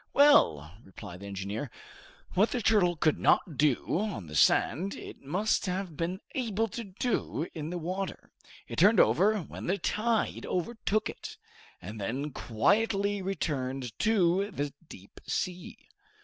"Well," replied the engineer, "what the turtle could not do on the sand it might have been able to do in the water. It turned over when the tide overtook it, and then quietly returned to the deep sea."